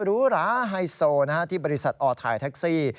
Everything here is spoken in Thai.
หรูหราไฮโซที่บริษัทออถ่ายแท็กซี่